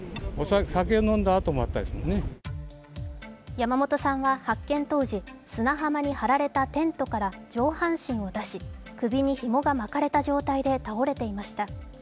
山本さんは発見当時、砂浜に張られたテントから上半身を出し、首にひもが巻かれた状態で倒れていました。